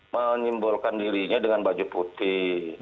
menyimbolkan dirinya dengan baju putih